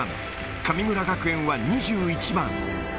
神村学園は２１番。